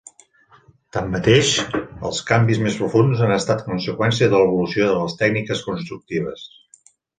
Tanmateix, els canvis més profunds han estat conseqüència de l'evolució de les tècniques constructives.